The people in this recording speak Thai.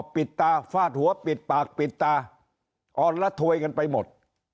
ปิดตาฟาดหัวปิดปากปิดตาอ่อนละถวยกันไปหมด